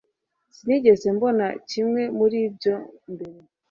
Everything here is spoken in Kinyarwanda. Sinigeze mbona kimwe muri ibyo mbere